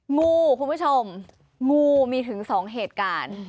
งูคุณผู้ชมงูมีถึง๒เหตุการณ์